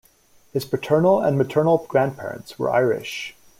His paternal and maternal grandparents were Irish.